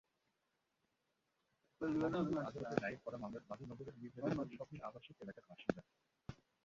মহানগর আদালতে দায়ের করা মামলার বাদী নগরের মির্জাজাঙ্গাল স্বপ্নিল আবাসিক এলাকার বাসিন্দা।